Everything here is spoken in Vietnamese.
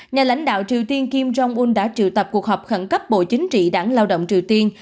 nhà lãnh đạo triều tiên kim jong un đã triệu tập cuộc họp khẩn cấp bộ chính trị đảng lao động triều tiên